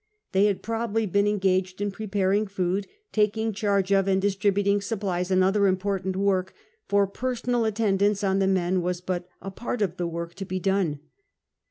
They had probably been engaged in preparing food, taking charge of, and distributing supplies and other import ant work, for personal attendance on the men was but a part of the work to be done.